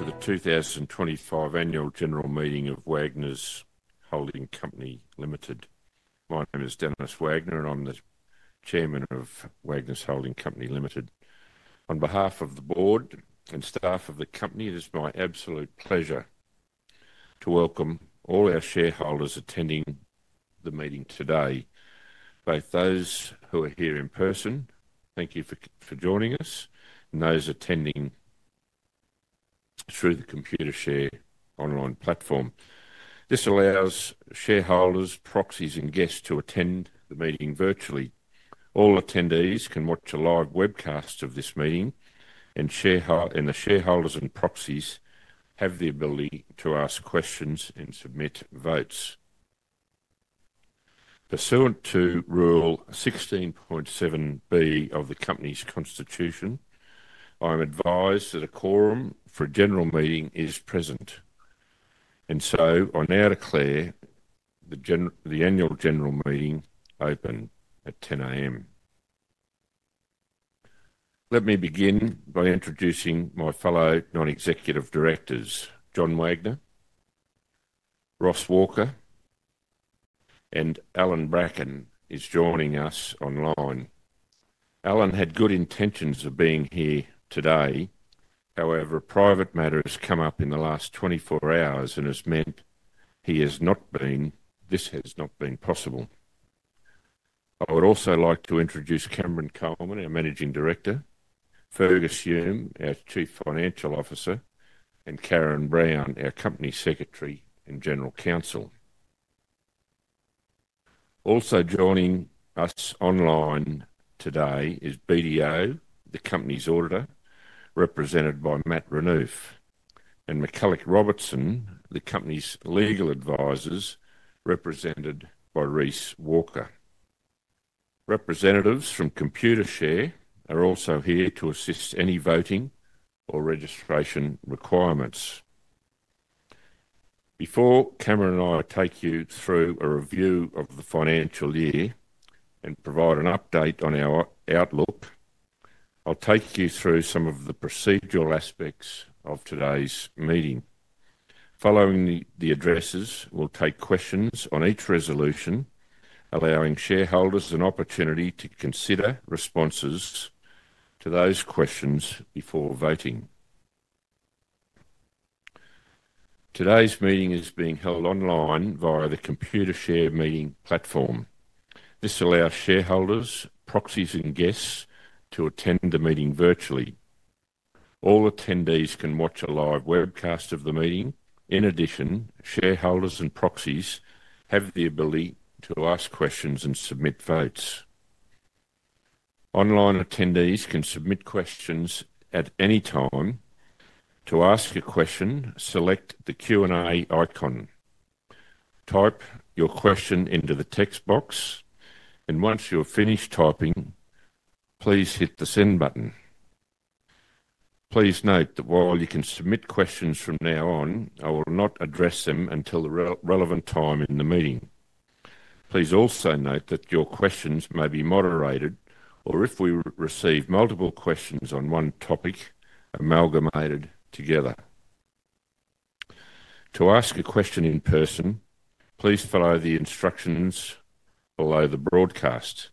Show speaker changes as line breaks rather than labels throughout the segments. To the 2025 Annual General Meeting of Wagners Holding Company Limited. My name is Denis Wagner, and I'm the Chairman of Wagners Holding Company Limited. On behalf of the board and staff of the company, it is my absolute pleasure to welcome all our shareholders attending the meeting today, both those who are here in person—thank you for joining us—and those attending through the Computershare online platform. This allows shareholders, proxies, and guests to attend the meeting virtually. All attendees can watch a live webcast of this meeting, and the shareholders and proxies have the ability to ask questions and submit votes. Pursuant to Rule 16.7(b) of the company's constitution, I'm advised that a quorum for a general meeting is present. I now declare the annual general meeting open at 10:00 A.M. Let me begin by introducing my fellow non-executive directors, John Wagner, Ross Walker, and Allan Brackin is joining us online. Allan had good intentions of being here today, however, a private matter has come up in the last 24 hours and has meant this has not been possible. I would also like to introduce Cameron Coleman, our Managing Director, Fergus Hume, our Chief Financial Officer, and Karen Brown, our Company Secretary and General Counsel. Also joining us online today is BDO, the company's auditor, represented by Matt Renouf, and McCullough Robertson, the company's legal advisers, represented by Reece Walker. Representatives from Computershare are also here to assist with any voting or registration requirements. Before Cameron and I take you through a review of the financial year and provide an update on our outlook, I'll take you through some of the procedural aspects of today's meeting. Following the addresses, we'll take questions on each resolution, allowing shareholders an opportunity to consider responses to those questions before voting. Today's meeting is being held online via the Computershare meeting platform. This allows shareholders, proxies, and guests to attend the meeting virtually. All attendees can watch a live webcast of the meeting. In addition, shareholders and proxies have the ability to ask questions and submit votes. Online attendees can submit questions at any time. To ask a question, select the Q&A icon. Type your question into the text box, and once you're finished typing, please hit the send button. Please note that while you can submit questions from now on, I will not address them until the relevant time in the meeting. Please also note that your questions may be moderated, or if we receive multiple questions on one topic, amalgamated together. To ask a question in person, please follow the instructions below the broadcast.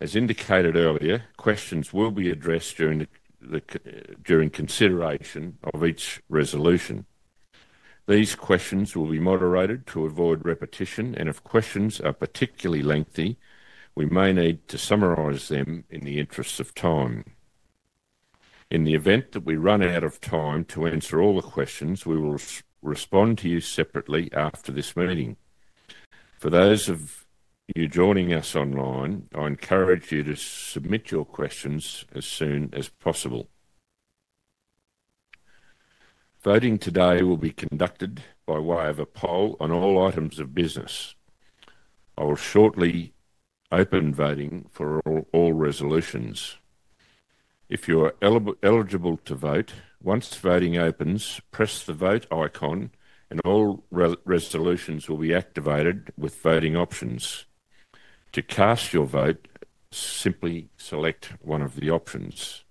As indicated earlier, questions will be addressed during consideration of each resolution. These questions will be moderated to avoid repetition, and if questions are particularly lengthy, we may need to summarize them in the interests of time. In the event that we run out of time to answer all the questions, we will respond to you separately after this meeting. For those of you joining us online, I encourage you to submit your questions as soon as possible. Voting today will be conducted by way of a poll on all items of business. I will shortly open voting for all resolutions. If you are eligible to vote, once voting opens, press the vote icon, and all resolutions will be activated with voting options. To cast your vote, simply select one of the options.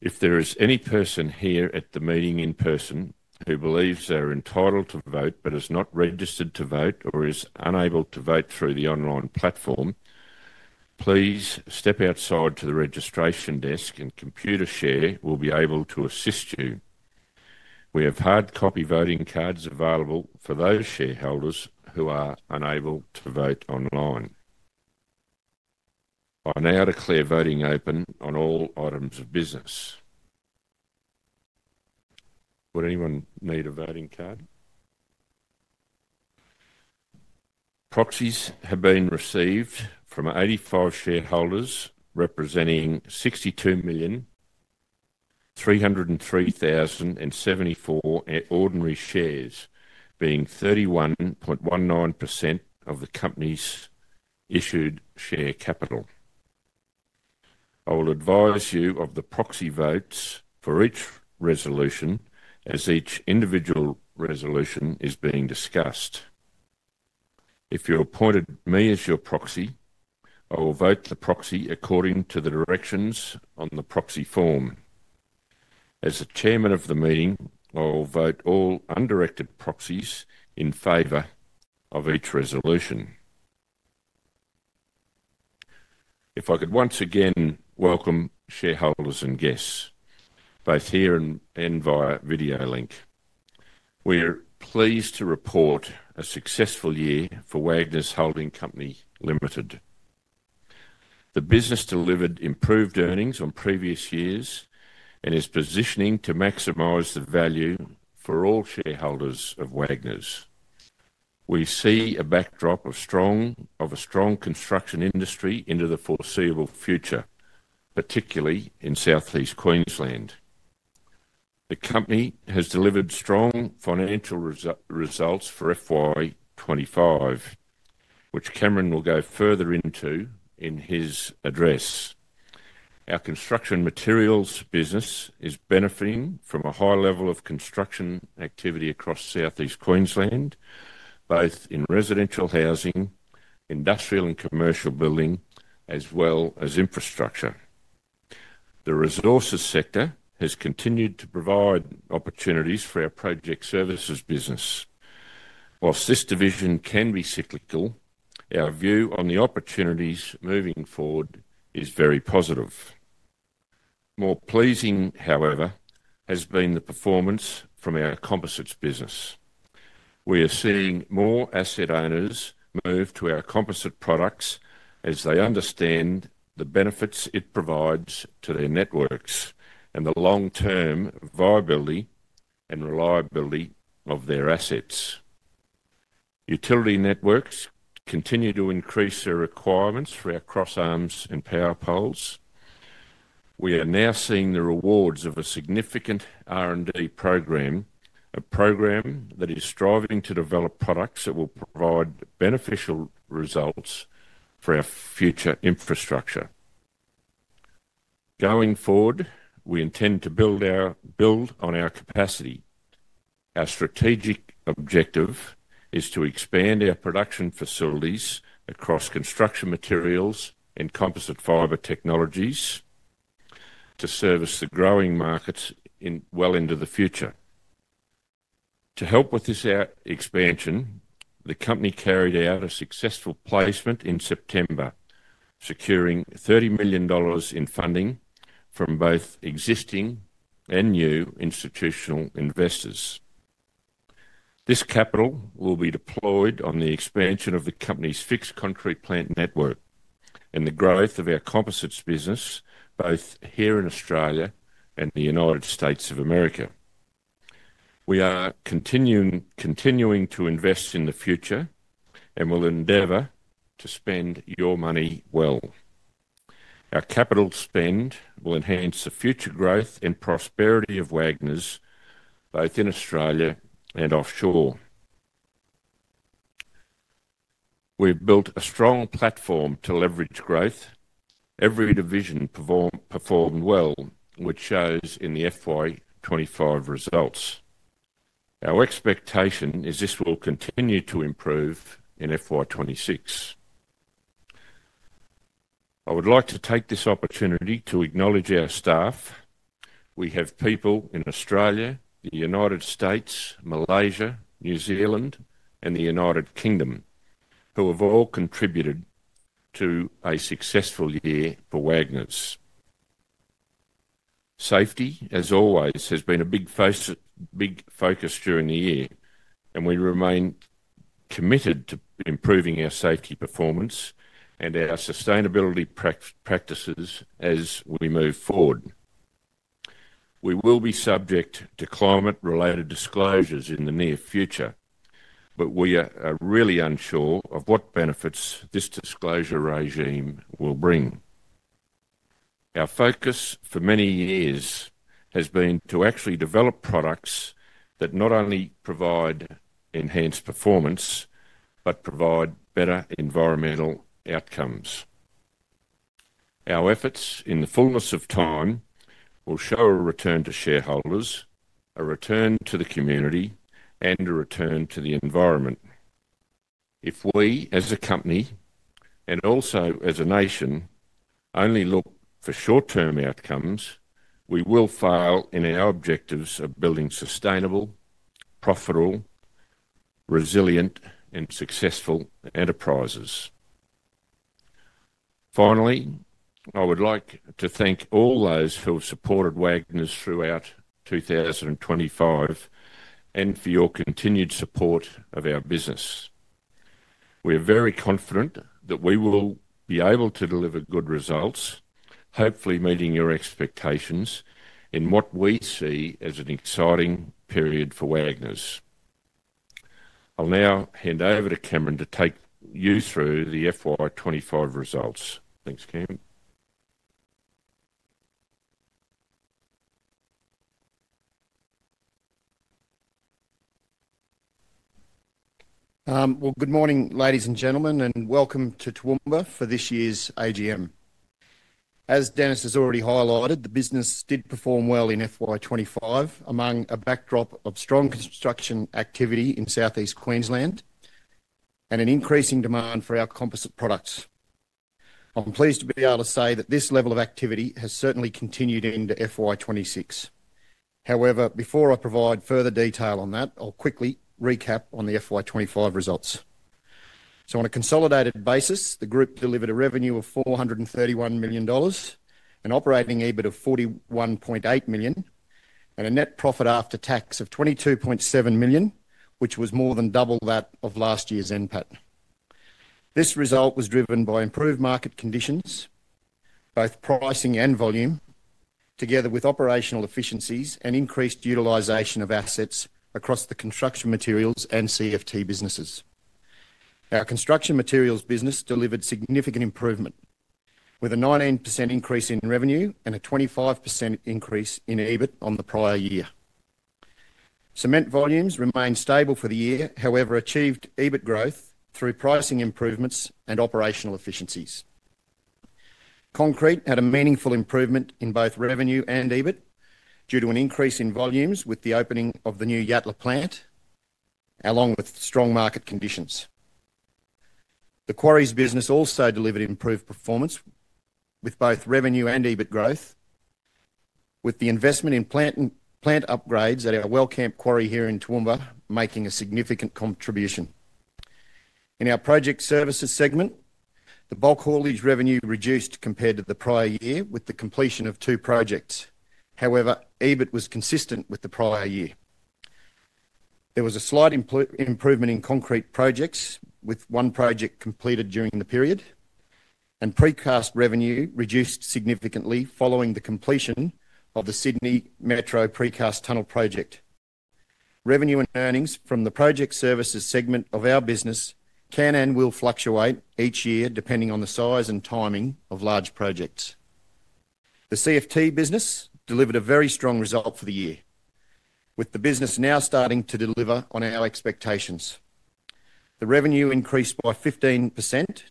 If there is any person here at the meeting in person who believes they're entitled to vote but is not registered to vote or is unable to vote through the online platform, please step outside to the registration desk, and Computershare will be able to assist you. We have hard copy voting cards available for those shareholders who are unable to vote online. I now declare voting open on all items of business. Would anyone need a voting card? Proxies have been received from 85 shareholders representing 62,303,074 ordinary shares, being 31.19% of the company's issued share capital. I will advise you of the proxy votes for each resolution as each individual resolution is being discussed. If you appointed me as your proxy, I will vote the proxy according to the directions on the proxy form. As the Chairman of the meeting, I will vote all undirected proxies in favor of each resolution. If I could once again welcome shareholders and guests, both here and via video link. We are pleased to report a successful year for Wagners Holding Company Limited. The business delivered improved earnings on previous years and is positioning to maximize the value for all shareholders of Wagners. We see a backdrop of a strong construction industry into the foreseeable future, particularly in southeast Queensland. The company has delivered strong financial results for FY 2025, which Cameron will go further into in his address. Our construction materials business is benefiting from a high level of construction activity across southeast Queensland, both in residential housing, industrial and commercial building, as well as infrastructure. The resources sector has continued to provide opportunities for our project services business. Whilst this division can be cyclical, our view on the opportunities moving forward is very positive. More pleasing, however, has been the performance from our composites business. We are seeing more asset owners move to our composite products as they understand the benefits it provides to their networks and the long-term viability and reliability of their assets. Utility networks continue to increase their requirements for our cross arms and power poles. We are now seeing the rewards of a significant R&D program, a program that is striving to develop products that will provide beneficial results for our future infrastructure. Going forward, we intend to build on our capacity. Our strategic objective is to expand our production facilities across construction materials and composite fiber technologies to service the growing market well into the future. To help with this expansion, the company carried out a successful placement in September, securing 30 million dollars in funding from both existing and new institutional investors. This capital will be deployed on the expansion of the company's fixed concrete plant network and the growth of our composites business, both here in Australia and the United States of America. We are continuing to invest in the future and will endeavor to spend your money well. Our capital spend will enhance the future growth and prosperity of Wagners, both in Australia and offshore. We've built a strong platform to leverage growth. Every division performed well, which shows in the FY 2025 results. Our expectation is this will continue to improve in FY 2026. I would like to take this opportunity to acknowledge our staff. We have people in Australia, the United States, Malaysia, New Zealand, and the United Kingdom who have all contributed to a successful year for Wagners. Safety, as always, has been a big focus during the year, and we remain committed to improving our safety performance and our sustainability practices as we move forward. We will be subject to climate-related disclosures in the near future, but we are really unsure of what benefits this disclosure regime will bring. Our focus for many years has been to actually develop products that not only provide enhanced performance but provide better environmental outcomes. Our efforts, in the fullness of time, will show a return to shareholders, a return to the community, and a return to the environment. If we, as a company and also as a nation, only look for short-term outcomes, we will fail in our objectives of building sustainable, profitable, resilient, and successful enterprises. Finally, I would like to thank all those who have supported Wagners throughout 2025 and for your continued support of our business. We are very confident that we will be able to deliver good results, hopefully meeting your expectations in what we see as an exciting period for Wagners. I'll now hand over to Cameron to take you through the FY 2025 results. Thanks, Cam.
Good morning, ladies and gentlemen, and welcome to Toowoomba for this year's AGM. As Denis has already highlighted, the business did perform well in FY 2025 among a backdrop of strong construction activity in southeast Queensland and an increasing demand for our composite products. I'm pleased to be able to say that this level of activity has certainly continued into FY 2026. However, before I provide further detail on that, I'll quickly recap on the FY 2025 results. On a consolidated basis, the group delivered a revenue of 431 million dollars, an operating EBIT of 41.8 million, and a net profit after tax of 22.7 million, which was more than double that of last year's NPAT. This result was driven by improved market conditions, both pricing and volume, together with operational efficiencies and increased utilization of assets across the construction materials and CFT businesses. Our construction materials business delivered significant improvement, with a 19% increase in revenue and a 25% increase in EBIT on the prior year. Cement volumes remained stable for the year, however, achieved EBIT growth through pricing improvements and operational efficiencies. Concrete had a meaningful improvement in both revenue and EBIT due to an increase in volumes with the opening of the new Yatala plant, along with strong market conditions. The quarries business also delivered improved performance with both revenue and EBIT growth, with the investment in plant upgrades at our Wellcamp quarry here in Toowoomba making a significant contribution. In our project services segment, the bulk haulage revenue reduced compared to the prior year with the completion of two projects. However, EBIT was consistent with the prior year. There was a slight improvement in concrete projects, with one project completed during the period, and precast revenue reduced significantly following the completion of the Sydney Metro precast tunnel project. Revenue and earnings from the project services segment of our business can and will fluctuate each year depending on the size and timing of large projects. The CFT business delivered a very strong result for the year, with the business now starting to deliver on our expectations. The revenue increased by 15%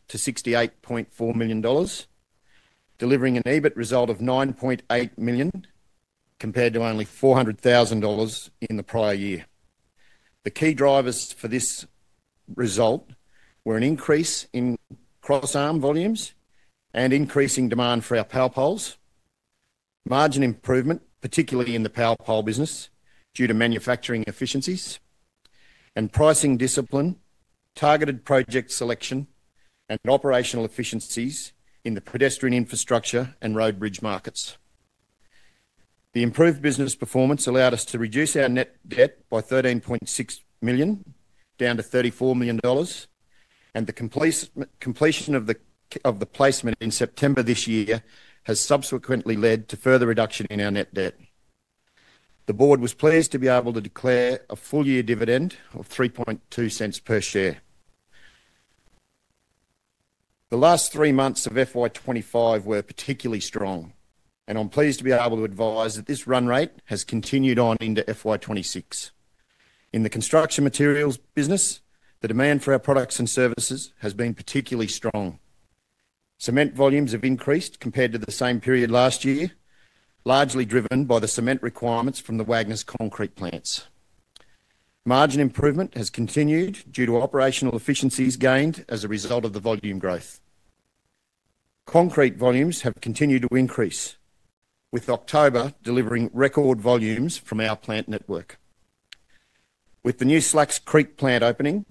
to 68.4 million dollars, delivering an EBIT result of 9.8 million compared to only 400,000 dollars in the prior year. The key drivers for this result were an increase in cross arm volumes and increasing demand for our power poles, margin improvement, particularly in the power pole business due to manufacturing efficiencies, and pricing discipline, targeted project selection, and operational efficiencies in the pedestrian infrastructure and road bridge markets. The improved business performance allowed us to reduce our net debt by AUD 13.6 million, down to AUD 34 million, and the completion of the placement in September this year has subsequently led to further reduction in our net debt. The board was pleased to be able to declare a full-year dividend of 0.032 per share. The last three months of FY 2025 were particularly strong, and I'm pleased to be able to advise that this run rate has continued on into FY 2026. In the construction materials business, the demand for our products and services has been particularly strong. Cement volumes have increased compared to the same period last year, largely driven by the cement requirements from the Wagners Concrete Plants. Margin improvement has continued due to operational efficiencies gained as a result of the volume growth. Concrete volumes have continued to increase, with October delivering record volumes from our plant network. With the new Slacks Creek plant opening,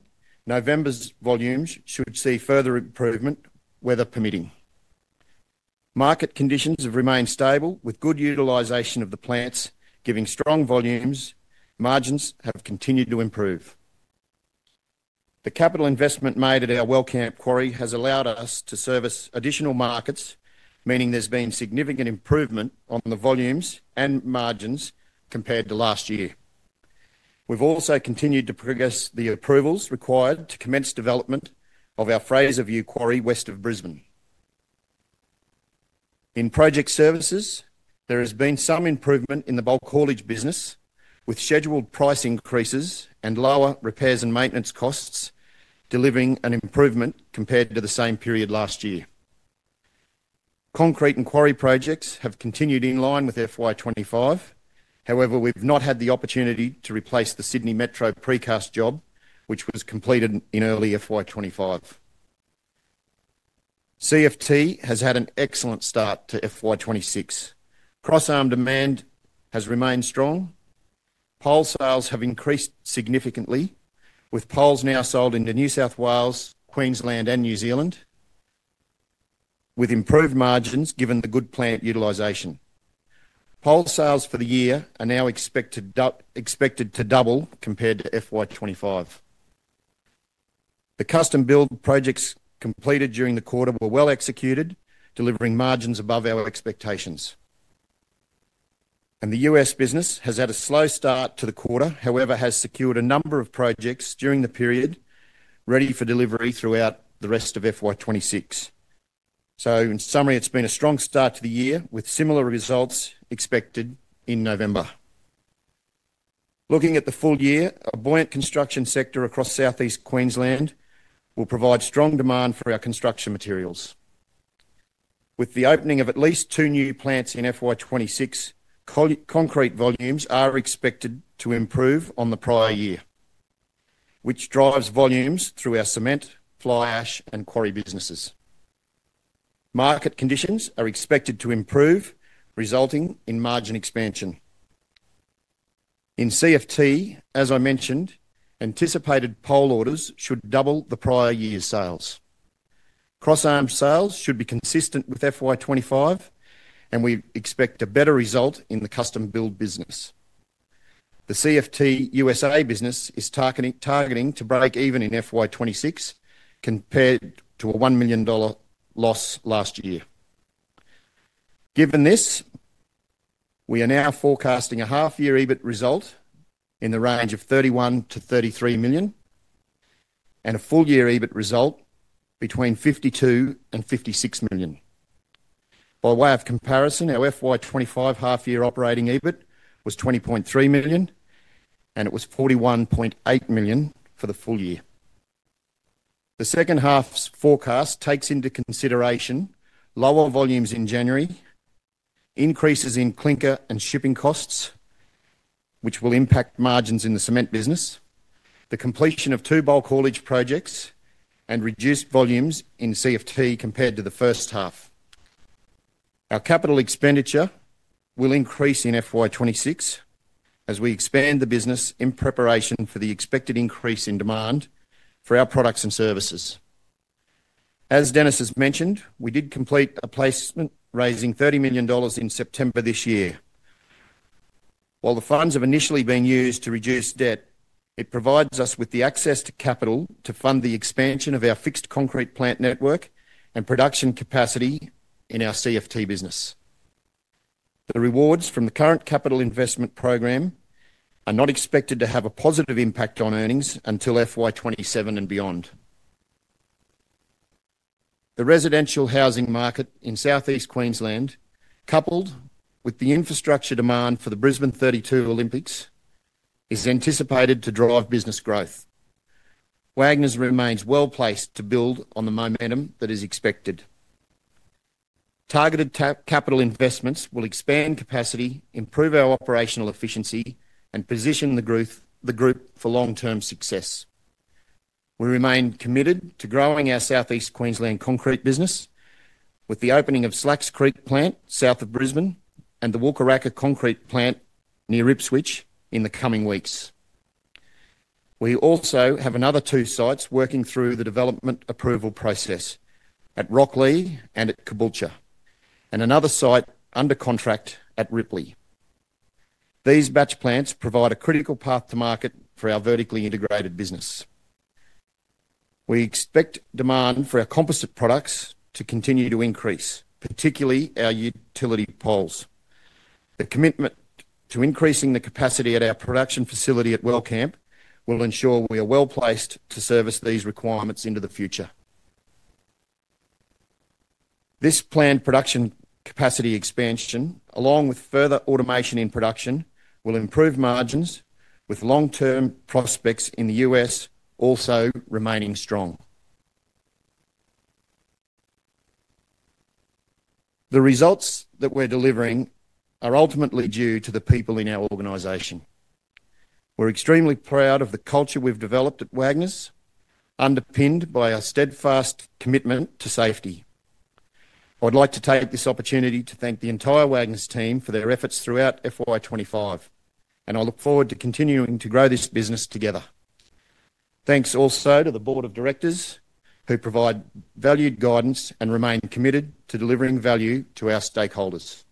November's volumes should see further improvement, weather permitting. Market conditions have remained stable, with good utilization of the plants giving strong volumes. Margins have continued to improve. The capital investment made at our Wellcamp quarry has allowed us to service additional markets, meaning there's been significant improvement on the volumes and margins compared to last year. We've also continued to progress the approvals required to commence development of our Fraser View quarry west of Brisbane. In project services, there has been some improvement in the bulk haulage business, with scheduled price increases and lower repairs and maintenance costs delivering an improvement compared to the same period last year. Concrete and quarry projects have continued in line with FY 2025. However, we've not had the opportunity to replace the Sydney Metro precast job, which was completed in early FY 2025. CFT has had an excellent start to FY 2026. Cross arm demand has remained strong. Pole sales have increased significantly, with poles now sold into New South Wales, Queensland, and New Zealand, with improved margins given the good plant utilization. Pole sales for the year are now expected to double compared to FY 2025. The custom-build projects completed during the quarter were well executed, delivering margins above our expectations. The U.S. business has had a slow start to the quarter, however, has secured a number of projects during the period ready for delivery throughout the rest of FY 2026. In summary, it's been a strong start to the year with similar results expected in November. Looking at the full year, a buoyant construction sector across southeast Queensland will provide strong demand for our construction materials. With the opening of at least two new plants in FY 2026, concrete volumes are expected to improve on the prior year, which drives volumes through our cement, fly ash, and quarry businesses. Market conditions are expected to improve, resulting in margin expansion. In CFT, as I mentioned, anticipated pole orders should double the prior year's sales. Cross arm sales should be consistent with FY 2025, and we expect a better result in the custom-build business. The CFT U.S.A. business is targeting to break even in FY 2026 compared to a 1 million dollar loss last year. Given this, we are now forecasting a half-year EBIT result in the range of 31 million-33 million and a full-year EBIT result between 52 million and 56 million. By way of comparison, our FY 2025 half-year operating EBIT was 20.3 million, and it was 41.8 million for the full year. The second half's forecast takes into consideration lower volumes in January, increases in clinker and shipping costs, which will impact margins in the cement business, the completion of two bulk haulage projects, and reduced volumes in CFT compared to the first half. Our capital expenditure will increase in FY 2026 as we expand the business in preparation for the expected increase in demand for our products and services. As Denis has mentioned, we did complete a placement raising 30 million dollars in September this year. While the funds have initially been used to reduce debt, it provides us with the access to capital to fund the expansion of our fixed concrete plant network and production capacity in our CFT business. The rewards from the current capital investment program are not expected to have a positive impact on earnings until FY 2027 and beyond. The residential housing market in southeast Queensland, coupled with the infrastructure demand for the Brisbane 2032 Olympics, is anticipated to drive business growth. Wagners remains well placed to build on the momentum that is expected. Targeted capital investments will expand capacity, improve our operational efficiency, and position the group for long-term success. We remain committed to growing our southeast Queensland concrete business with the opening of Slacks Creek plant south of Brisbane and the Walker Acre concrete plant near [Ipswich] in the coming weeks. We also have another two sites working through the development approval process at Rocklea and at Caboolture, and another site under contract at Ripley. These batch plants provide a critical path to market for our vertically integrated business. We expect demand for our composite products to continue to increase, particularly our utility poles. The commitment to increasing the capacity at our production facility at Wellcamp will ensure we are well placed to service these requirements into the future. This planned production capacity expansion, along with further automation in production, will improve margins, with long-term prospects in the U.S. also remaining strong. The results that we're delivering are ultimately due to the people in our organization. We're extremely proud of the culture we've developed at Wagners, underpinned by our steadfast commitment to safety. I'd like to take this opportunity to thank the entire Wagners team for their efforts throughout FY 2025, and I look forward to continuing to grow this business together. Thanks also to the Board of Directors who provide valued guidance and remain committed to delivering value to our stakeholders.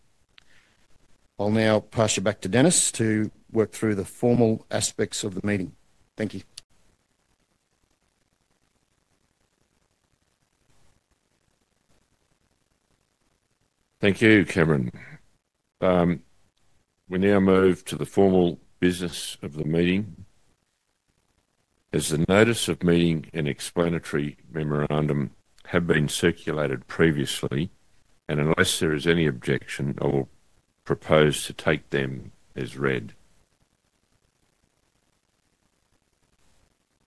I'll now pass you back to Denis to work through the formal aspects of the meeting. Thank you.
Thank you, Cameron. We now move to the formal business of the meeting. As the notice of meeting and explanatory memorandum have been circulated previously, and unless there is any objection, I will propose to take them as read.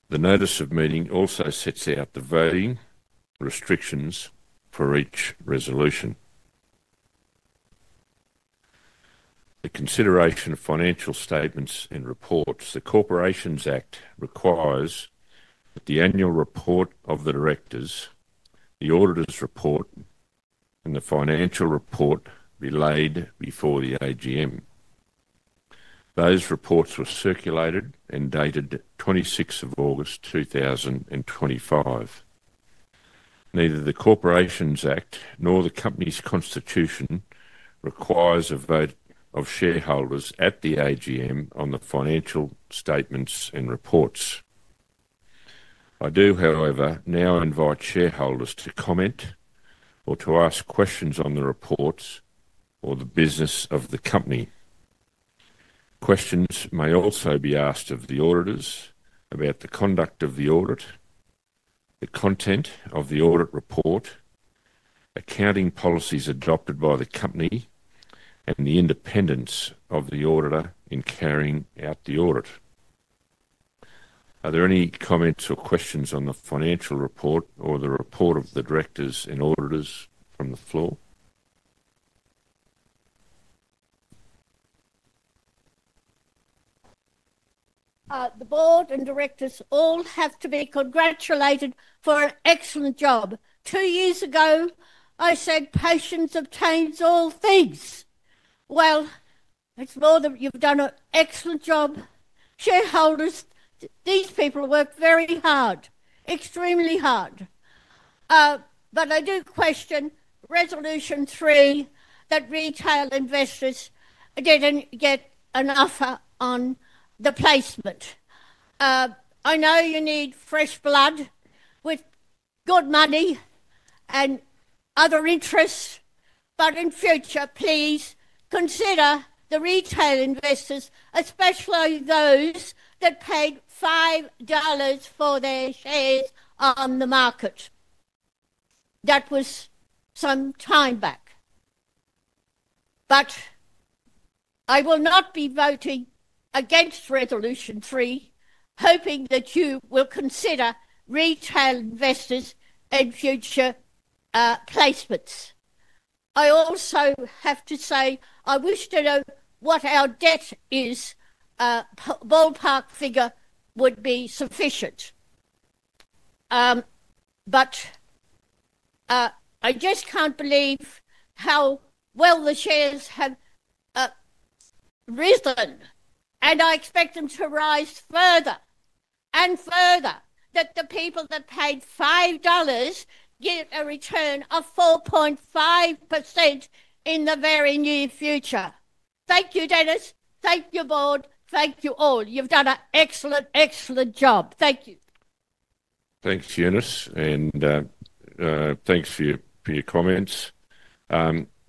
The notice of meeting also sets out the voting restrictions for each resolution. The consideration of financial statements and reports, the Corporations Act requires that the annual report of the directors, the auditor's report, and the financial report be laid before the AGM. Those reports were circulated and dated 26 August 2025. Neither the Corporations Act nor the company's constitution requires a vote of shareholders at the AGM on the financial statements and reports. I do, however, now invite shareholders to comment or to ask questions on the reports or the business of the company. Questions may also be asked of the auditors about the conduct of the audit, the content of the audit report, accounting policies adopted by the company, and the independence of the auditor in carrying out the audit. Are there any comments or questions on the financial report or the report of the directors and auditors from the floor? The board and directors all have to be congratulated for an excellent job. Two years ago, I said patience obtains all things. It is more that you have done an excellent job. Shareholders, these people work very hard, extremely hard. I do question Resolution 3 that retail investors did not get an offer on the placement. I know you need fresh blood with good money and other interests, but in future, please consider the retail investors, especially those that paid 5 dollars for their shares on the market. That was some time back. I will not be voting against Resolution 3, hoping that you will consider retail investors in future placements. I also have to say I wish to know what our debt is. A ballpark figure would be sufficient. I just can't believe how well the shares have risen, and I expect them to rise further and further, that the people that paid 5 dollars get a return of 4.5% in the very near future. Thank you, Denis. Thank you, board. Thank you all. You've done an excellent, excellent job. Thank you. Thanks, Eunice. And thanks for your comments.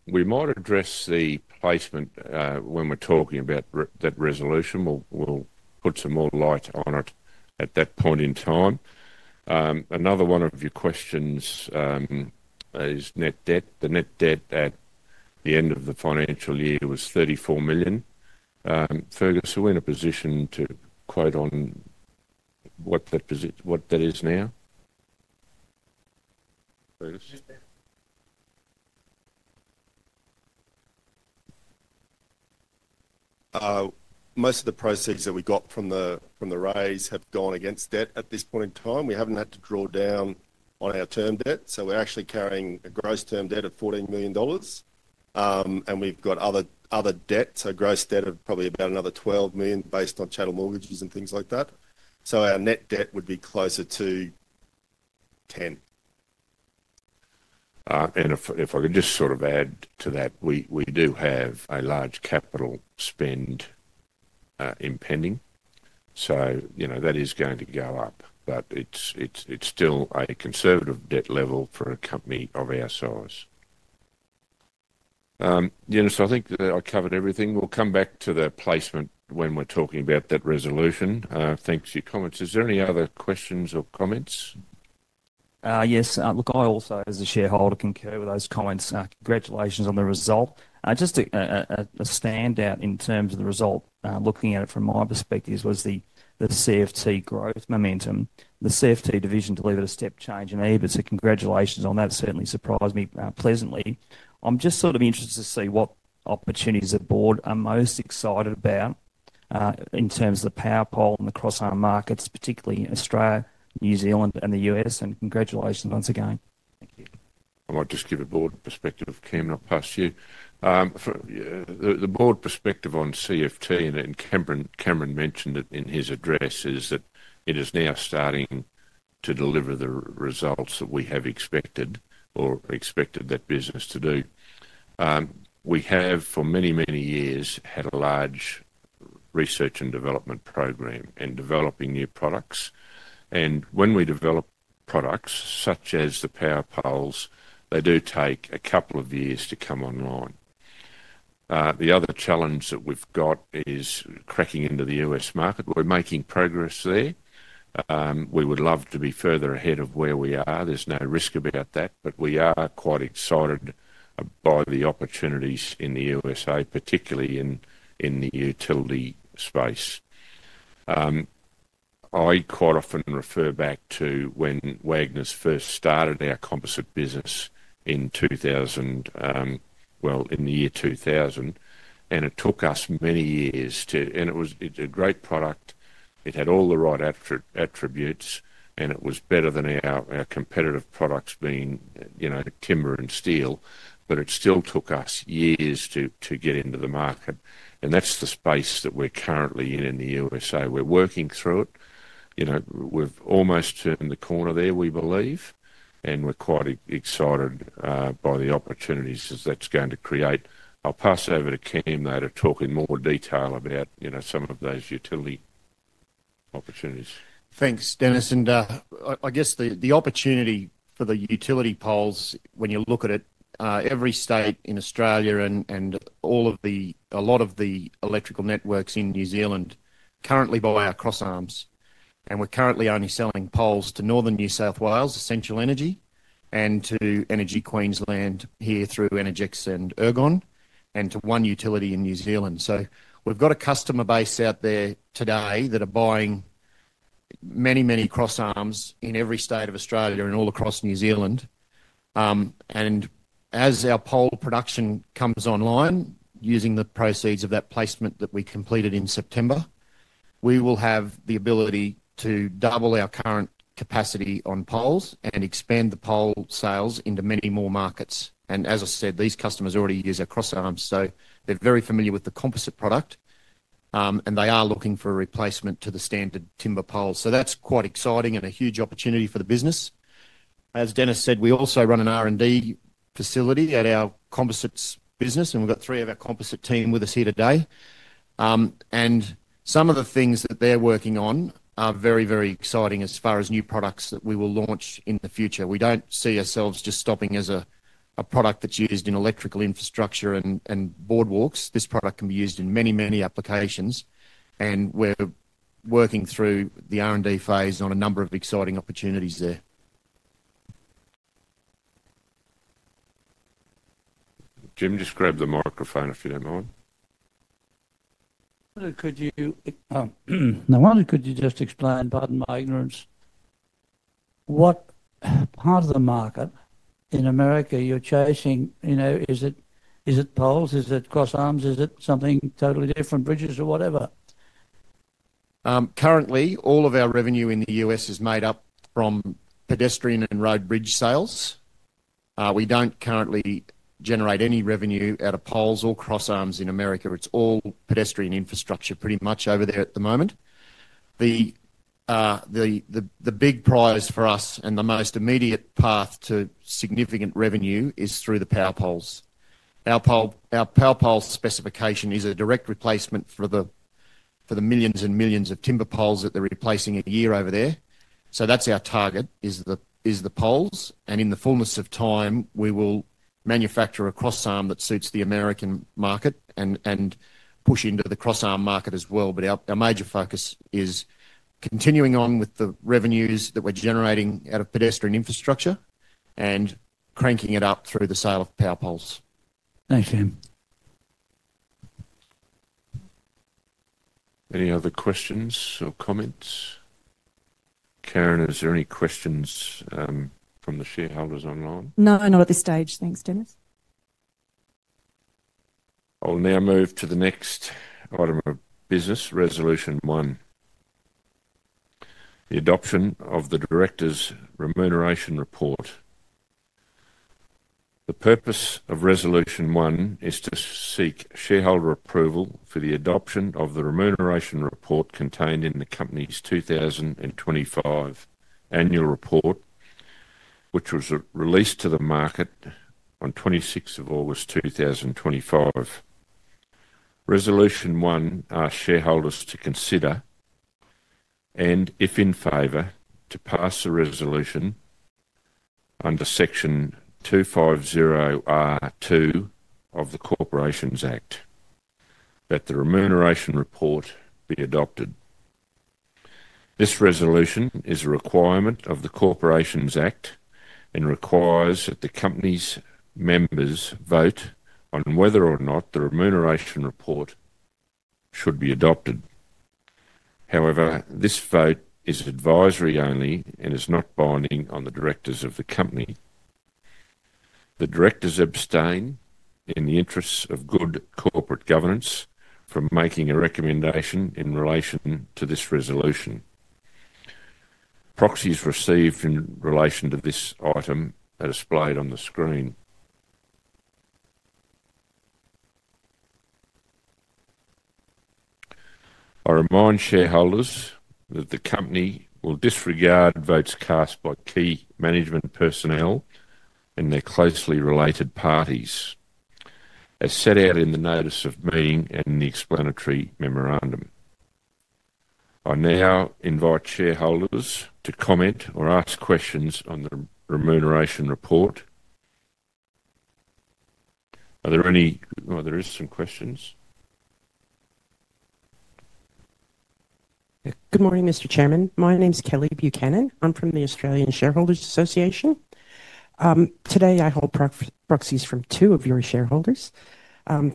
We might address the placement when we're talking about that resolution. We'll put some more light on it at that point in time. Another one of your questions is net debt. The net debt at the end of the financial year was 34 million. Fergus, are we in a position to quote on what that is now?
Most of the proceeds that we got from the raise have gone against debt at this point in time. We haven't had to draw down on our term debt. We're actually carrying a gross term debt of 14 million dollars. We've got other debt, so gross debt of probably about another 12 million based on channel mortgages and things like that. Our net debt would be closer to 10 million.
If I could just sort of add to that, we do have a large capital spend impending. That is going to go up, but it's still a conservative debt level for a company of our size. Eunice, I think I covered everything. We'll come back to the placement when we're talking about that resolution. Thanks for your comments. Is there any other questions or comments? Yes. Look, I also, as a shareholder, concur with those comments. Congratulations on the result. Just a standout in terms of the result, looking at it from my perspective, was the CFT growth momentum. The CFT division delivered a step change in EBIT, so congratulations on that. It certainly surprised me pleasantly. I'm just sort of interested to see what opportunities the board are most excited about in terms of the power pole and the cross arm markets, particularly in Australia, New Zealand, and the U.S. Congratulations once again. Thank you. I might just give the board perspective. Cameron, I'll pass you. The board perspective on CFT, and Cameron mentioned it in his address, is that it is now starting to deliver the results that we have expected or expected that business to do. We have, for many, many years, had a large research and development program and developing new products. When we develop products such as the power poles, they do take a couple of years to come online. The other challenge that we've got is cracking into the U.S. market. We're making progress there. We would love to be further ahead of where we are. There's no risk about that, but we are quite excited by the opportunities in the U.S.A., particularly in the utility space. I quite often refer back to when Wagners first started our composite business in 2000, in the year 2000, and it took us many years to—and it was a great product. It had all the right attributes, and it was better than our competitive products being timber and steel, but it still took us years to get into the market. That is the space that we're currently in in the U.S.A. We're working through it. We've almost turned the corner there, we believe, and we're quite excited by the opportunities that that's going to create. I'll pass over to Cam, though, to talk in more detail about some of those utility opportunities.
Thanks, Denis. I guess the opportunity for the utility poles, when you look at it, every state in Australia and a lot of the electrical networks in New Zealand currently buy our cross arms. We're currently only selling poles to northern New South Wales, Energy Queensland here through Energex and Ergon, and to one utility in New Zealand. We have a customer base out there today that are buying many, many cross arms in every state of Australia and all across New Zealand. As our pole production comes online using the proceeds of that placement that we completed in September, we will have the ability to double our current capacity on poles and expand the pole sales into many more markets. As I said, these customers already use our cross arms, so they're very familiar with the composite product, and they are looking for a replacement to the standard timber poles. That is quite exciting and a huge opportunity for the business. As Denis said, we also run an R&D facility at our composites business, and we've got three of our composite team with us here today. Some of the things that they're working on are very, very exciting as far as new products that we will launch in the future. We don't see ourselves just stopping as a product that's used in electrical infrastructure and boardwalks. This product can be used in many, many applications, and we're working through the R&D phase on a number of exciting opportunities there.
Jim, just grab the microphone if you don't mind. Could you—no, could you just explain, pardon my ignorance, what part of the market in America you're chasing? Is it poles? Is it cross arms? Is it something totally different, bridges, or whatever?
Currently, all of our revenue in the U.S. is made up from pedestrian and road bridge sales. We don't currently generate any revenue out of poles or cross arms in America. It's all pedestrian infrastructure pretty much over there at the moment. The big prize for us and the most immediate path to significant revenue is through the power poles. Our power pole specification is a direct replacement for the millions and millions of timber poles that they're replacing a year over there. That is our target, is the poles. In the fullness of time, we will manufacture a cross arm that suits the American market and push into the cross arm market as well. Our major focus is continuing on with the revenues that we're generating out of pedestrian infrastructure and cranking it up through the sale of power poles. Thanks, Cam.
Any other questions or comments? Karen, is there any questions from the shareholders online?
No, not at this stage. Thanks, Denis.
I'll now move to the next item of business, Resolution 1, the adoption of the director's remuneration report. The purpose of Resolution 1 is to seek shareholder approval for the adoption of the remuneration report contained in the company's 2025 annual report, which was released to the market on 26 August 2025. Resolution 1 asks shareholders to consider, and if in favor, to pass a resolution under section 250R(2) of the Corporations Act that the remuneration report be adopted. This resolution is a requirement of the Corporations Act and requires that the company's members vote on whether or not the remuneration report should be adopted. However, this vote is advisory only and is not binding on the directors of the company. The directors abstain in the interests of good corporate governance from making a recommendation in relation to this resolution. Proxies received in relation to this item are displayed on the screen. I remind shareholders that the company will disregard votes cast by key management personnel and their closely related parties, as set out in the notice of meeting and the explanatory memorandum. I now invite shareholders to comment or ask questions on the remuneration report. Are there any, well, there are some questions.
Good morning, Mr. Chairman. My name is Kelly Buchanan. I'm from the Australian Shareholders Association. Today, I hold proxies from two of your shareholders.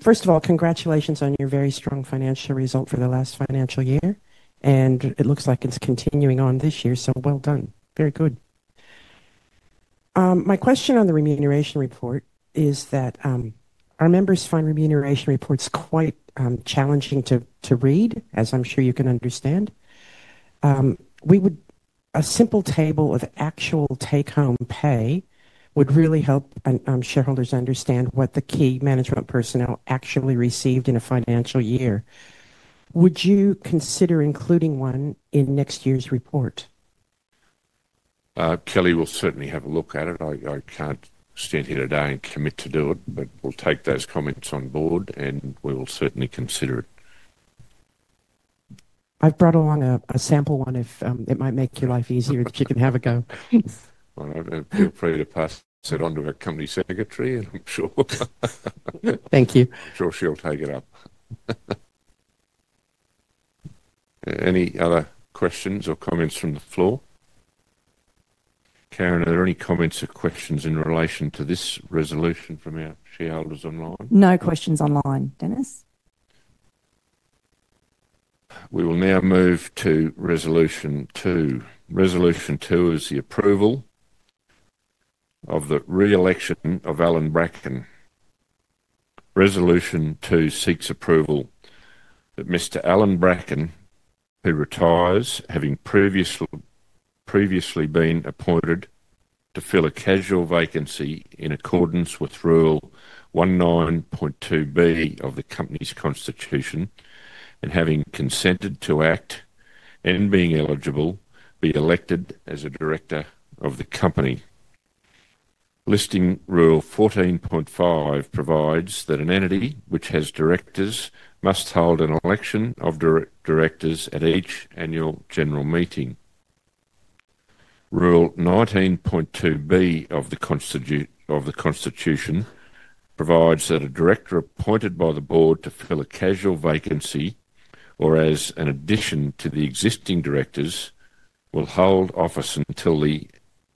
First of all, congratulations on your very strong financial result for the last financial year. It looks like it's continuing on this year, so well done. Very good. My question on the remuneration report is that our members find remuneration reports quite challenging to read, as I'm sure you can understand. A simple table of actual take-home pay would really help shareholders understand what the key management personnel actually received in a financial year. Would you consider including one in next year's report?
Kelly will certainly have a look at it. I can't stand here today and commit to do it, but we'll take those comments on board, and we will certainly consider it. I've brought along a sample one if it might make your life easier if you can have a go. Thanks. Feel free to pass it on to our Company Secretary, and I'm sure.
Thank you.
I'm sure she'll take it up. Any other questions or comments from the floor? Karen, are there any comments or questions in relation to this resolution from our shareholders online?
No questions online, Denis.
We will now move to Resolution 2. Resolution 2 is the approval of the re-election of Allan Brackin. Resolution 2 seeks approval that Mr. Allan Brackin, who retires having previously been appointed to fill a casual vacancy in accordance with Rule 19.2(b) of the company's constitution and having consented to act and being eligible, be elected as a director of the company. Listing Rule 14.5 provides that an entity which has directors must hold an election of directors at each annual general meeting. Rule 19.2(b) of the constitution provides that a director appointed by the board to fill a casual vacancy or as an addition to the existing directors will hold office until the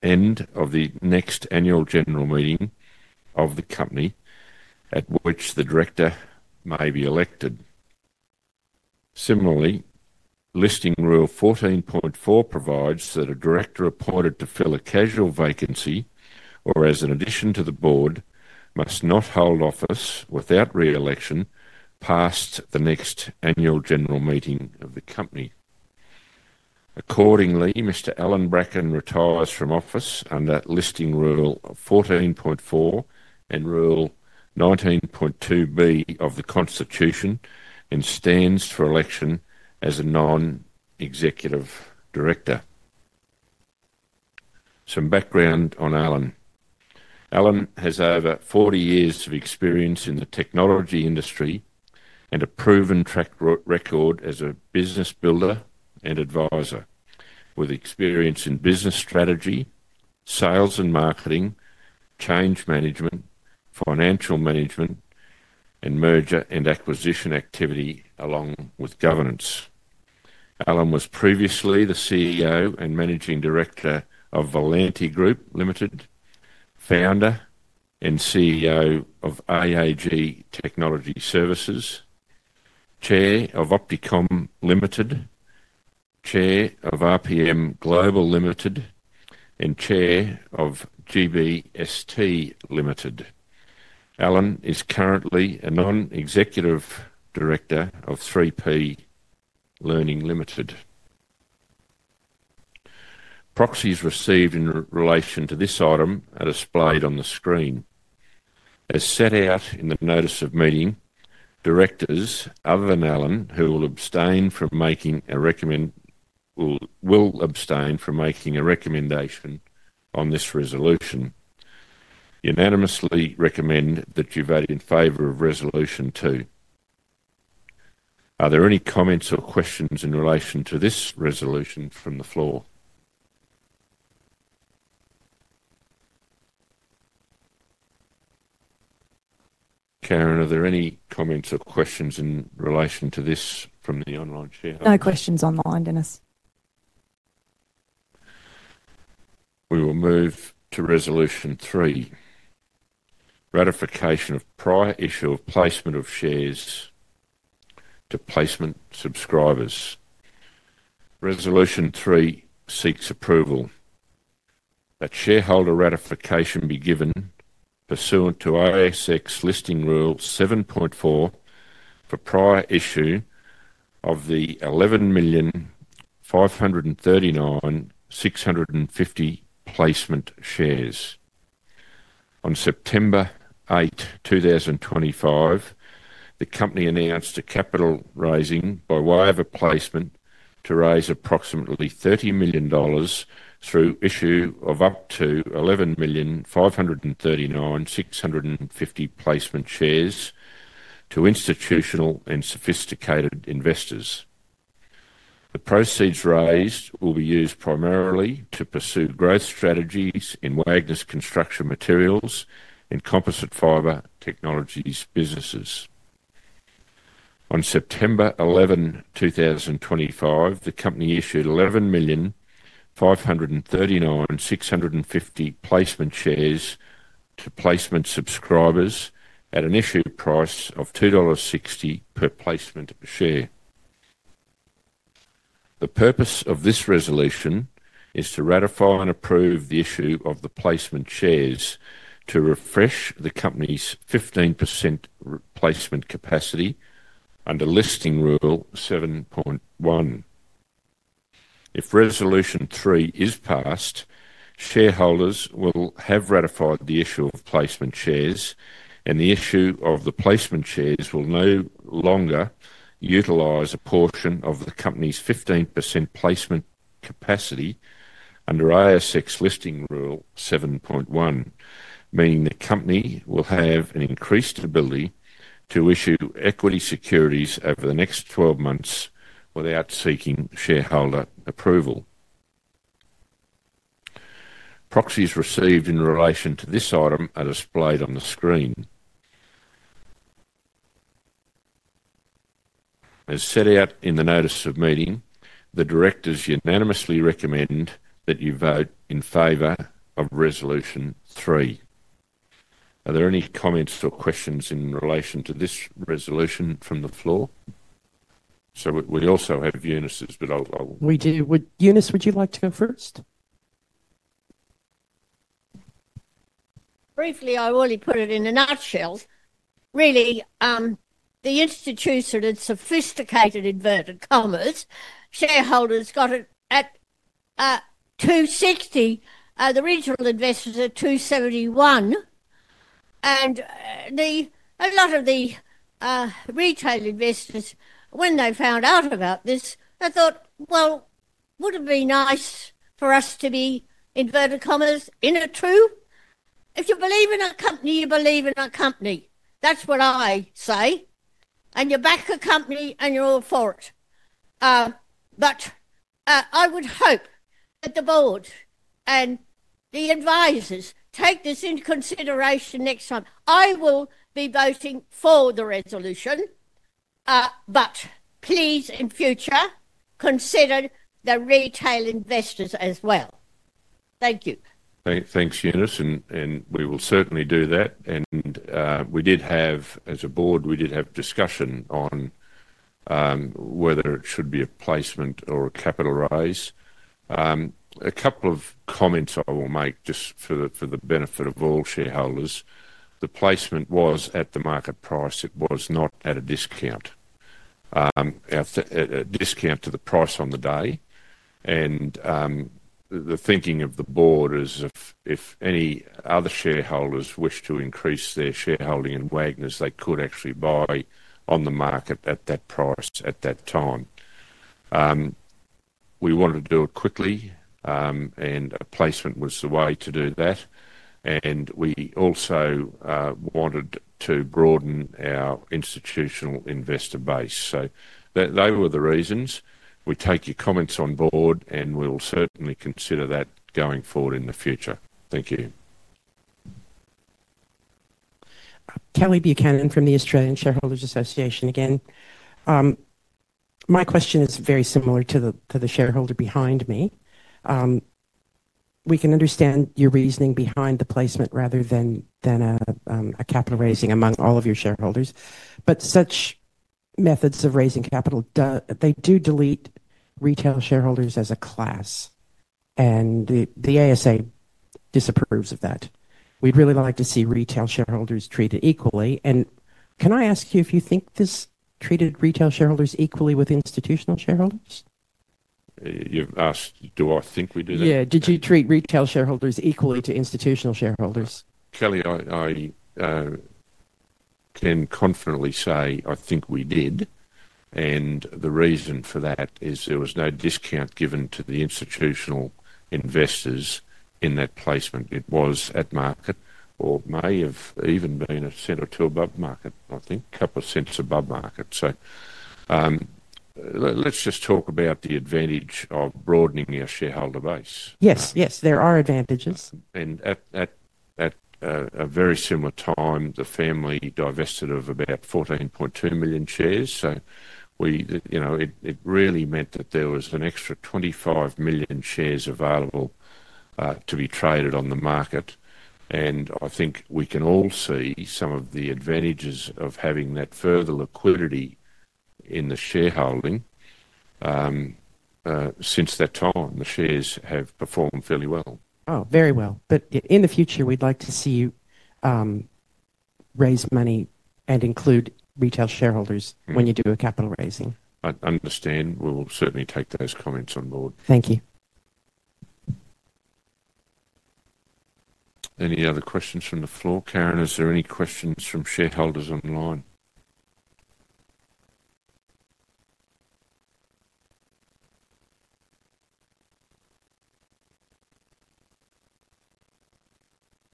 end of the next annual general meeting of the company at which the director may be elected. Similarly, listing Rule 14.4 provides that a director appointed to fill a casual vacancy or as an addition to the board must not hold office without re-election past the next annual general meeting of the company. Accordingly, Mr. Allan Brackin retires from office under listing Rule 14.4 and Rule 19.2(b) of the constitution and stands for election as a non-executive director. Some background on Allan. Allan has over 40 years of experience in the technology industry and a proven track record as a business builder and advisor, with experience in business strategy, sales and marketing, change management, financial management, and merger and acquisition activity along with governance. Allan was previously the CEO and managing director of Volanti Group Ltd, founder and CEO of AAG Technology Services, chair of Opticomm Ltd, chair of RPM Global Ltd, and chair of GBST Ltd. Allan is currently a non-executive director of 3P Learning Limited. Proxies received in relation to this item are displayed on the screen. As set out in the notice of meeting, directors other than Allan who will abstain from making a recommendation on this resolution unanimously recommend that you vote in favor of Resolution 2. Are there any comments or questions in relation to this resolution from the floor? Karen, are there any comments or questions in relation to this from the online shareholders?
No questions online, Denis.
We will move to Resolution 3, ratification of prior issue of placement of shares to placement subscribers. Resolution 3 seeks approval that shareholder ratification be given pursuant to ASX listing rule 7.4 for prior issue of the 11,539,650 placement shares. On September 8, 2025, the company announced a capital raising by way of placement to raise approximately 30 million dollars through issue of up to 11,539,650 placement shares to institutional and sophisticated investors. The proceeds raised will be used primarily to pursue growth strategies in Wagners' construction materials and composite fiber technologies businesses. On September 11, 2025, the company issued 11,539,650 placement shares to placement subscribers at an issue price of 2.60 dollars per placement share. The purpose of this resolution is to ratify and approve the issue of the placement shares to refresh the company's 15% placement capacity under listing rule 7.1. If Resolution 3 is passed, shareholders will have ratified the issue of placement shares, and the issue of the placement shares will no longer utilize a portion of the company's 15% placement capacity under ASX listing rule 7.1, meaning the company will have an increased ability to issue equity securities over the next 12 months without seeking shareholder approval. Proxies received in relation to this item are displayed on the screen. As set out in the notice of meeting, the directors unanimously recommend that you vote in favor of Resolution 3. Are there any comments or questions in relation to this resolution from the floor? We also have Eunice, but I'll.
We do. Eunice, would you like to go first? Briefly, I'll only put it in a nutshell. Really, the institution had sophisticated inverted commas. Shareholders got it at 2.60. The regional investors at 2.71. A lot of the retail investors, when they found out about this, they thought, "Wouldn't it be nice for us to be inverted commas in it too? If you believe in a company, you believe in a company." That is what I say. You back a company, and you are all for it. I would hope that the board and the advisors take this into consideration next time. I will be voting for the resolution, but please, in future, consider the retail investors as well. Thank you.
Thanks, Eunice. We will certainly do that. We did have, as a board, discussion on whether it should be a placement or a capital raise. A couple of comments I will make just for the benefit of all shareholders. The placement was at the market price. It was not at a discount, a discount to the price on the day. The thinking of the board is if any other shareholders wish to increase their shareholding in Wagners, they could actually buy on the market at that price at that time. We wanted to do it quickly, and a placement was the way to do that. We also wanted to broaden our institutional investor base. They were the reasons. We take your comments on board, and we will certainly consider that going forward in the future. Thank you.
Kelly Buchanan from the Australian Shareholders Association again. My question is very similar to the shareholder behind me. We can understand your reasoning behind the placement rather than a capital raising among all of your shareholders. Such methods of raising capital, they do dilute retail shareholders as a class, and the ASA disapproves of that. We'd really like to see retail shareholders treated equally. Can I ask you if you think this treated retail shareholders equally with institutional shareholders?
You've asked, do I think we do that?
Yeah. Did you treat retail shareholders equally to institutional shareholders?
Kelly, I can confidently say I think we did. The reason for that is there was no discount given to the institutional investors in that placement. It was at market or may have even been a cent or two above market, I think, a couple of cents above market. Let's just talk about the advantage of broadening your shareholder base.
Yes, yes. There are advantages.
At a very similar time, the family divested of about 14.2 million shares. It really meant that there was an extra 25 million shares available to be traded on the market. I think we can all see some of the advantages of having that further liquidity in the shareholding. Since that time, the shares have performed fairly well.
Oh, very well. In the future, we'd like to see you raise money and include retail shareholders when you do a capital raising.
I understand. We will certainly take those comments on board.
Thank you.
Any other questions from the floor? Karen, are there any questions from shareholders online?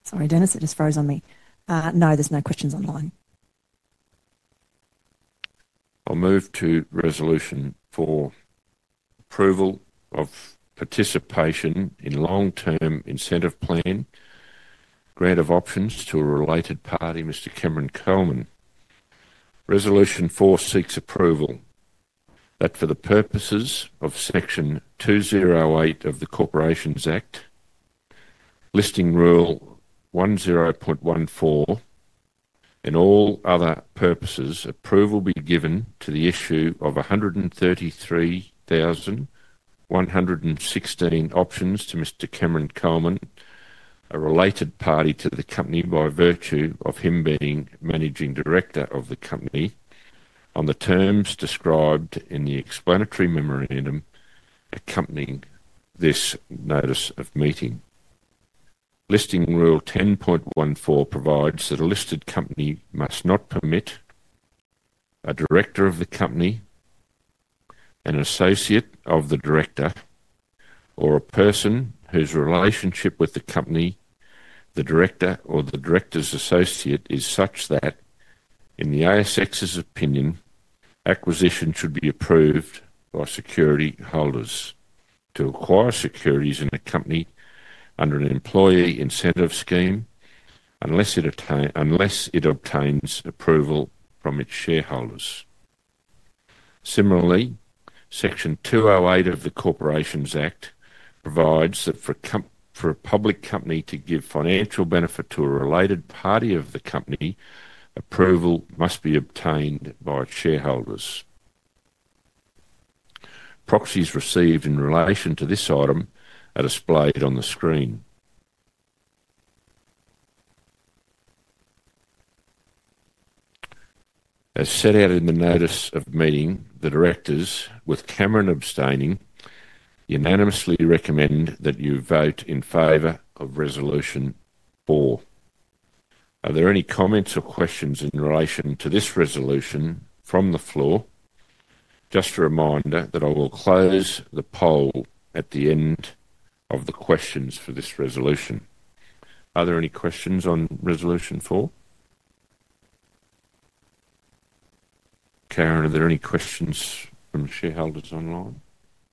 Sorry, Denis, it just froze on me. No, there are no questions online.
I'll move to Resolution 4, approval of participation in long-term incentive plan, grant of options to a related party, Mr. Cameron Coleman. Resolution 4 seeks approval that for the purposes of section 208 of the Corporations Act, listing rule 10.14, and all other purposes, approval be given to the issue of 133,116 options to Mr. Cameron Coleman, a related party to the company by virtue of him being Managing Director of the company on the terms described in the explanatory memorandum accompanying this notice of meeting. Listing rule 10.14 provides that a listed company must not permit a director of the company, an associate of the director, or a person whose relationship with the company, the director, or the director's associate is such that, in the ASX's opinion, acquisition should be approved by security holders to acquire securities in a company under an employee incentive scheme unless it obtains approval from its shareholders. Similarly, section 208 of the Corporations Act provides that for a public company to give financial benefit to a related party of the company, approval must be obtained by shareholders. Proxies received in relation to this item are displayed on the screen. As set out in the notice of meeting, the directors, with Cameron abstaining, unanimously recommend that you vote in favor of Resolution 4. Are there any comments or questions in relation to this resolution from the floor? Just a reminder that I will close the poll at the end of the questions for this resolution. Are there any questions on Resolution 4? Karen, are there any questions from shareholders online?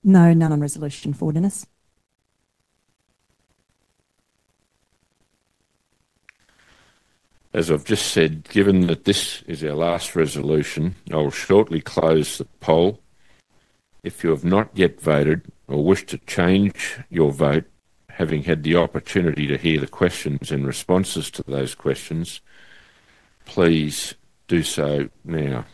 No, none on Resolution 4, Denis.
As I've just said, given that this is our last resolution, I will shortly close the poll. If you have not yet voted or wish to change your vote, having had the opportunity to hear the questions and responses to those questions, please do so now.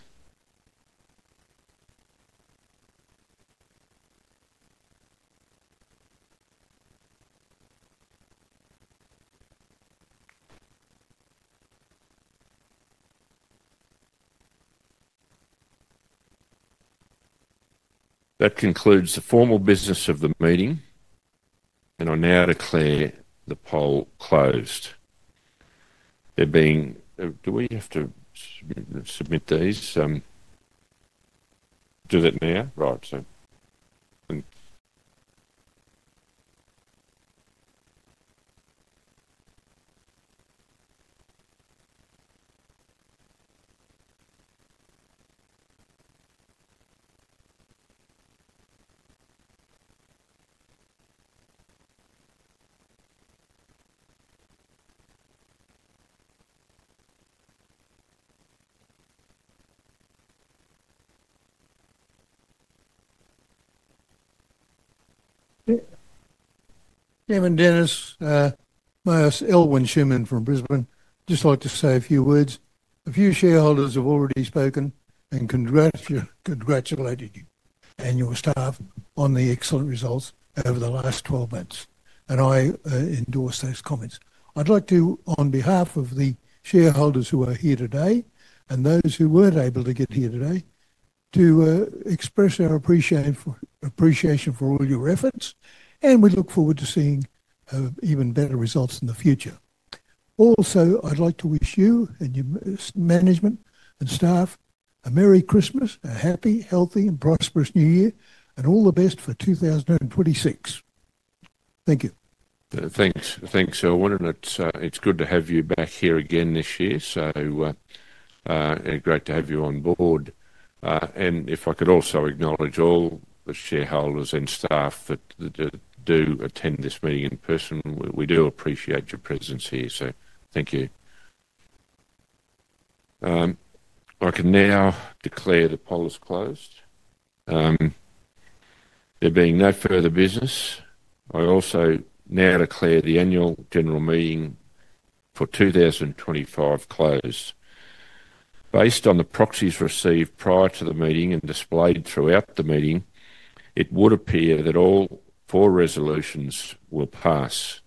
That concludes the formal business of the meeting, and I now declare the poll closed. Do we have to submit these? Do that now? Right. Chairman Denis, I'm Ilwin Shuman from Brisbane. Just like to say a few words. A few shareholders have already spoken and congratulated you and your staff on the excellent results over the last 12 months. I endorse those comments. I'd like to, on behalf of the shareholders who are here today and those who were not able to get here today, express our appreciation for all your efforts. We look forward to seeing even better results in the future. Also, I'd like to wish you and your management and staff a Merry Christmas, a happy, healthy, and prosperous New Year, and all the best for 2026. Thank you. Thanks. I want to note it's good to have you back here again this year. Great to have you on board. If I could also acknowledge all the shareholders and staff that do attend this meeting in person, we do appreciate your presence here. Thank you. I can now declare the poll is closed. There being no further business, I also now declare the annual general meeting for 2025 closed. Based on the proxies received prior to the meeting and displayed throughout the meeting, it would appear that all four resolutions will pass.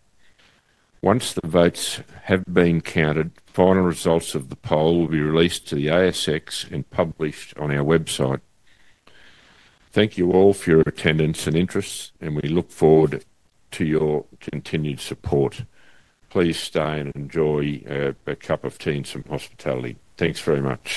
Once the votes have been counted, final results of the poll will be released to the ASX and published on our website. Thank you all for your attendance and interest, and we look forward to your continued support. Please stay and enjoy a cup of tea and some hospitality. Thanks very much.